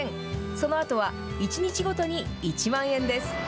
そのあとは１日ごとに１万円です。